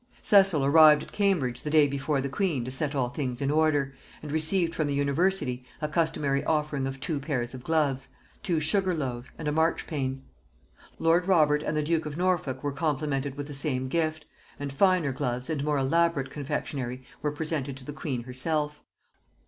Cecil arrived at Cambridge the day before the queen to set all things in order, and received from the university a customary offering of two pairs of gloves, two sugarloaves, and a marchpane. Lord Robert and the duke of Norfolk were complimented with the same gift, and finer gloves and more elaborate confectionary were presented to the queen herself.